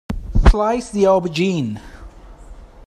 Slice the aubergine.